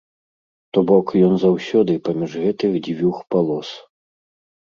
То бок, ён заўсёды паміж гэтых дзвюх палос.